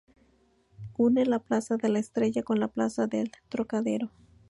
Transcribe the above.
Une la plaza de la Estrella con la plaza del Trocadero.